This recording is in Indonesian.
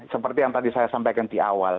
seperti yang tadi saya sampaikan di awal